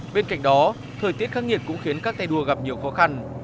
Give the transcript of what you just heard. bên cạnh đó thời tiết khắc nghiệt cũng khiến các tay đua gặp nhiều khó khăn